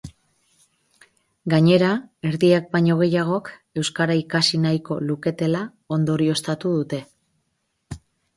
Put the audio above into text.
Gainera, erdiak baino gehiagok euskara ikasi nahiko luketela ondorioztatu dute.